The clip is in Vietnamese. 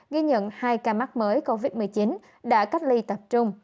ghi nhận hai ca mắc mới covid một mươi chín đã cách ly tập trung